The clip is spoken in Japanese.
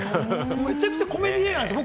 めちゃくちゃコメディ映画なんですよ。